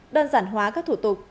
đơn giản hóa các thủ tướng